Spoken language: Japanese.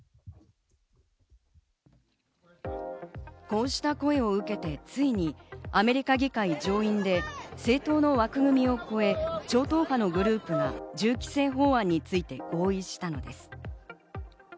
こうした声を受けて、ついにアメリカ議会上院で、政党の枠組みを超え、超党派のグループが銃規制法案について合意したのです。